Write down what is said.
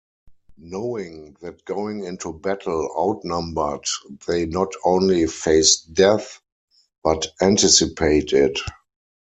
Knowing that going into battle outnumbered they not only face death but anticipate it.